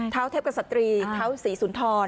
เทพกษตรีเท้าศรีสุนทร